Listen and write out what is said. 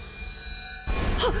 はっ！